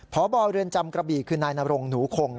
พบเรือนจำกระบี่คือนายนรงหนูคง